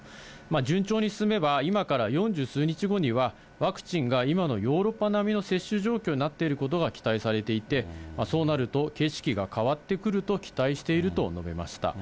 順調に進めば、今から四十数日後にはワクチンが今のヨーロッパ並みの接種状況になっていることが期待されていて、そうなると景色が変わってくると期待していると述べました。